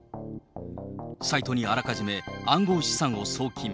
サイトにあらかじめ暗号資産を送金。